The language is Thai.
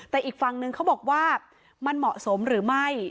แต่อีกฝั่งนึงเขาบอกว่ามันเหมาะสมหรือไม่